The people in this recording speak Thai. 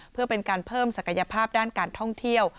เพื่อเป็นการเพิ่มศักยภาพด้านการท่องเที่ยว